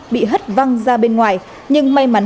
bị hất văng ra bên ngoài nhưng may mắn